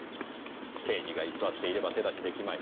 刑事が居座っていれば手出しできまい。